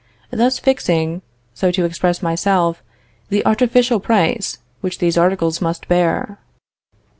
thus fixing (so to express myself) the artificial price which these articles must bear.